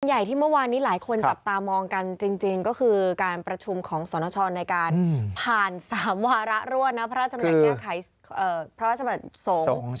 ใหญ่ที่เมื่อวานนี้หลายคนจับตามองกันจริงก็คือการประชุมของสนชรในการผ่าน๓วาระรวดนะพระราชบัญญัติแก้ไขพระราชบัติสงฆ์